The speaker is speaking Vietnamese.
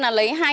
là lấy hai ngày